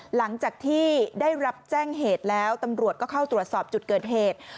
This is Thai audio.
หลังจากที่ได้รับแจ้งเหตุแล้วตำรวจก็เข้าตรวจสอบจุดเกิดเหตุ